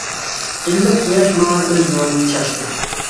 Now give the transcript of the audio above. ئىللىق قۇياش ماڭا ئۆز نۇرىنى چاچتى.